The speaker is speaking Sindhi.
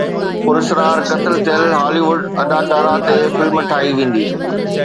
پراسرار قتل ٿيل هالي ووڊ اداڪاره تي فلم ٺاهي ويندي